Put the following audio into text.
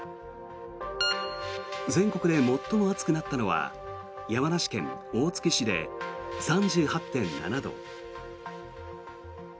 全国で最も暑くなったのは山梨県大月市で３８．７度。